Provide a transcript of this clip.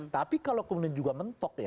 tapi kalau kemudian juga mentok ya